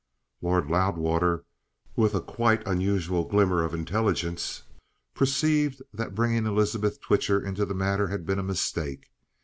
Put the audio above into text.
Lord Loudwater, with a quite unusual glimmer of intelligence, perceived that bringing Elizabeth Twitcher into the matter had been a mistake.